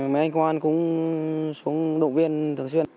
mấy anh công an cũng xuống động viên thường xuyên